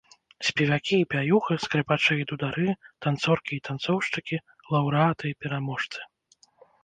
Спевакі і пяюхі, скрыпачы і дудары, танцоркі і танцоўшчыкі, лаўрэаты і пераможцы!